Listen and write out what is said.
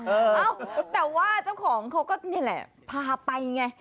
เอ้าแต่ว่าเจ้าของเขาก็นี่แหละพาไปไง